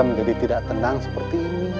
menjadi tidak tenang seperti ini